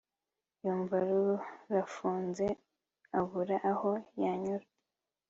yumva rurafunze abura aho yanyura